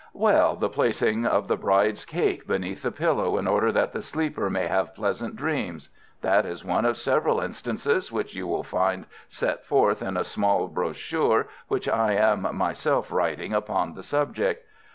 "Well, the placing of the bride's cake beneath the pillow in order that the sleeper may have pleasant dreams. That is one of several instances which you will find set forth in a small brochure which I am myself writing upon the subject.